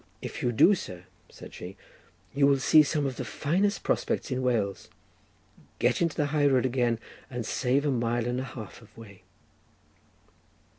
"If you do, sir," said she, "you will see some of the finest prospects in Wales, get into the high road again, and save a mile and a half of way."